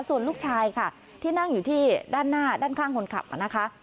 ส่วนลูกชายค่ะที่นั่งอยู่ที่ด้านหน้าด้านข้างคนขับนะคะ